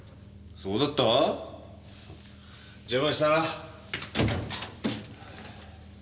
そうだった？邪魔したな。